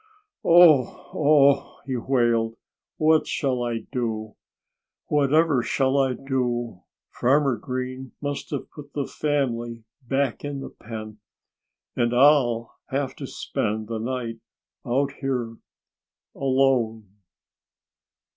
"Oh! Oh!" he wailed. "What shall I do? Whatever shall I do? Farmer Green must have put the family back in the pen. And I'll have to spend the night out here alone!"